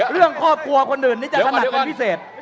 เรื่องครอบครัวคนอื่นนี่จะถนัดเป็นพิเศษ